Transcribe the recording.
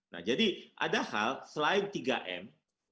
nah jadi ada hal selain tiga m